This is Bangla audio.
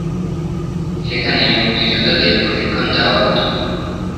সেখানে মুক্তিযোদ্ধাদের প্রশিক্ষণ দেওয়া হতো।